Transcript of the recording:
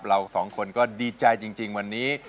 เราสองคนก็ดีใจจริงวันนี้